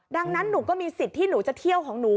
ดังนั้นหนูก็มีสิทธิ์ที่หนูจะเที่ยวของหนู